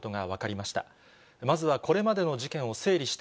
まずはこれまでの事件を整理して